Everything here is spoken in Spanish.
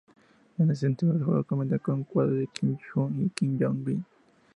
En ese sentido, las aulas cuentan con cuadros de Kim Il-sung y Kim Jong-il.